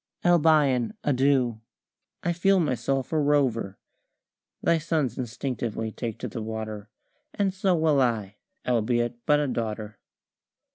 Albion, adieu! I feel myself a rover. Thy sons instinctively take to the water, And so will I, albeit but a daughter."